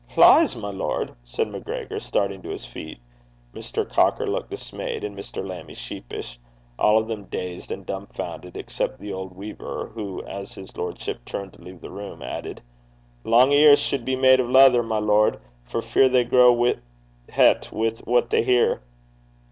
'Lees! my lord,' said MacGregor, starting to his feet. Mr. Cocker looked dismayed, and Mr. Lammie sheepish all of them dazed and dumbfoundered, except the old weaver, who, as his lordship turned to leave the room, added: 'Lang lugs (ears) suld be made o' leather, my lord, for fear they grow het wi' what they hear.'